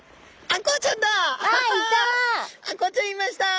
あんこうちゃんいました。